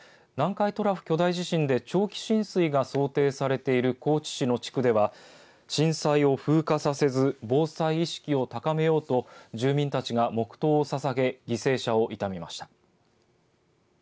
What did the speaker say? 南海トラフ巨大地震で長期浸水が想定されている高知市の地区では震災を風化させず防災意識を高めようと住民たちが黙とうをささげ犠牲者を悼みました。